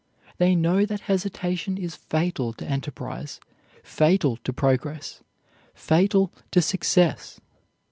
They know that hesitation is fatal to enterprise, fatal to progress, fatal to success.